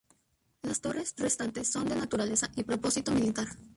Las torres restantes son de naturaleza y propósito militar.